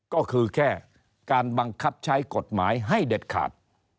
ก็คือแค่การบังคับใช้กฎหมายให้เด็ดขาด